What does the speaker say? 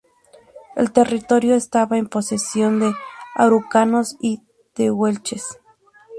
El territorio estaba en posesión de araucanos y tehuelches.